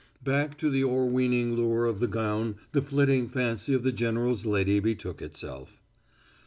Back to the o'erweening lure of the gown the flitting fancy of the general's lady betook itself.